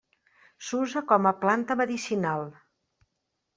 S'usa com a planta medicinal.